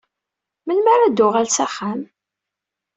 Melmi ara d-tuɣal s axxam?